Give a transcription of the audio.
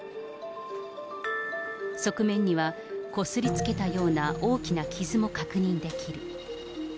側面には、こすりつけたような大きな傷も確認できる。